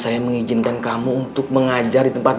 makanya saya mengizinkan kamu untuk mengajar di tempat ini